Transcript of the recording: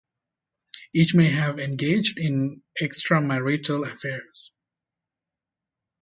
Each may have engaged in extramarital affairs.